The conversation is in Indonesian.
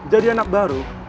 jadi anak baru